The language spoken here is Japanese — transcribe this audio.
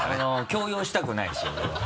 強要したくないし俺は。